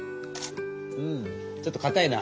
うんちょっとかたいな。